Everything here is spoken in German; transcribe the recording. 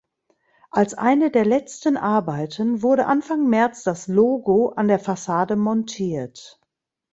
Als eine der letzten Arbeiten wurde Anfang März das Logo an der Fassade montiert.